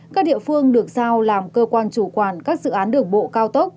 các địa phương được giao làm cơ quan chủ quản các dự án đường bộ cao tốc